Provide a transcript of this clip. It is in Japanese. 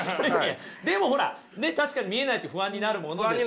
でもほら確かに見えないと不安になるものですよね。